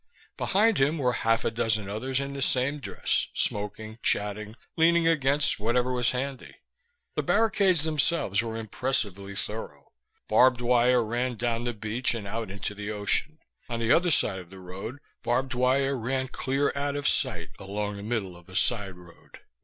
Behind him were half a dozen others in the same dress, smoking, chatting, leaning against whatever was handy. The barricades themselves were impressively thorough. Barbed wire ran down the beach and out into the ocean; on the other side of the road, barbed wire ran clear out of sight along the middle of a side road.